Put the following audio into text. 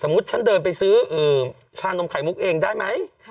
ฉันเดินไปซื้อชานมไข่มุกเองได้ไหม